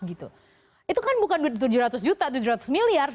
itu kan bukan tujuh ratus miliar